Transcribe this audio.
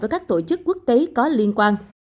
với các tổ chức quốc tế có liên quan